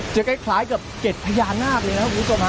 จะใกล้กับเก็ดพญานาคเลยนะครับคุณผู้ชมฮะ